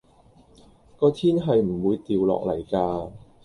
個天係唔會掉落嚟㗎